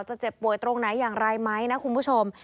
เจ็บป่วยตรงไหนอย่างไรไหมนะคุณผู้ชม